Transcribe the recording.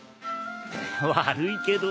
悪いけど。